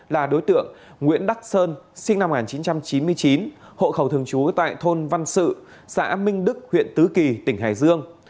là đối tượng nguyễn đắc sơn sinh năm một nghìn chín trăm chín mươi chín hộ khẩu thường trú tại thôn văn sự xã minh đức huyện tứ kỳ tỉnh hải dương